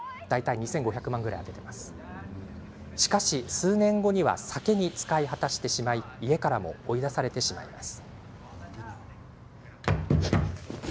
しかし、数年後には酒に使い果たしてしまい家からも追い出されてしまいます。